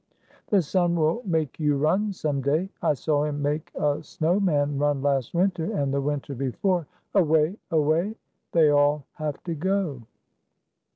"The sun will make you run some day. I saw him make a snow man run last winter, and the winter before. Away! Away! They all have to go."